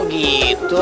nggak betul itu